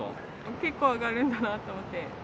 結構上がるんだなと思って。